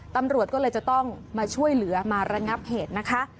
ตำรวจก็เลยจะต้องมาช่วยเหลือมาระงับเหตุนะคะ